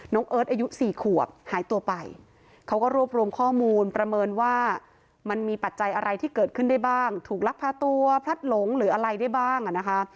เอิร์ทอายุ๔ขวบหายตัวไปเขาก็รวบรวมข้อมูลประเมินว่ามันมีปัจจัยอะไรที่เกิดขึ้นได้บ้างถูกลักพาตัวพลัดหลงหรืออะไรได้บ้างอ่ะนะคะ